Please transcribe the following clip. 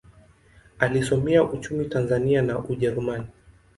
Alisomea uchumi Tanzania na Ujerumani.